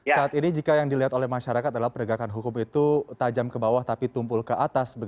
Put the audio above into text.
saat ini jika yang dilihat oleh masyarakat adalah penegakan hukum itu tajam ke bawah tapi tumpul ke atas